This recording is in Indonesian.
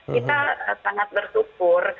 kita sangat bersyukur